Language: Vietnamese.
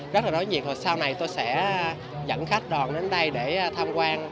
rất là đáng nhiệt và sau này tôi sẽ dẫn khách đòn đến đây để tham quan